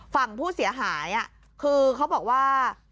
ฝั่งผู้เสียหายคือเขาบอกว่า